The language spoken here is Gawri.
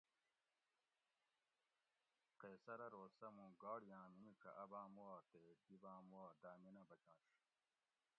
قیصر ارو سہۤ موں گاڑیاں میمیڄہ اۤ باۤم وا تی دی باۤم وا دامینہ بچںش